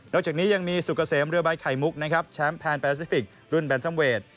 นอกจากนี้ยังมีสุกเกษมเรือใบไข่มุกแชมป์แพลนแปซิฟิกรุ่นแบนซัมเวท